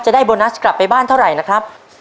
ได้โบนัสกลับไปบ้านเท่าไหร่นะครับ